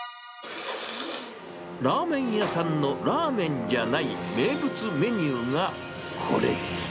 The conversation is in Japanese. ラーメン屋さんのラーメンじゃない名物メニューがこれ。